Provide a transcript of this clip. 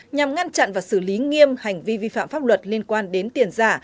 nhằm ngăn chặn và xử lý nghiêm hành vi vi phạm pháp luật liên quan đến tiền giả